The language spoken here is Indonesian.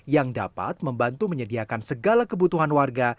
yang dapat membantu menyediakan segala kebutuhan warga